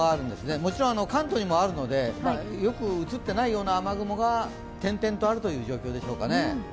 もちろん関東にもあるので、よく映っていないような雨雲が点々とあるような状況でしょうか。